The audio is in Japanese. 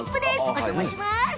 お邪魔します。